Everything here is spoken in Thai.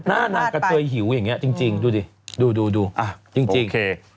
หน้านางกระเตยหิวอย่างเงี้ยจริงดูดิดูจริง